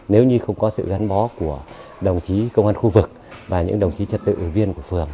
nếu như không có sự gắn bó của đồng chí công an khu vực và những đồng chí trật tự ủy viên của phường